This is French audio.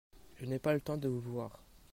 Je n'ai pas le temps de vous voir.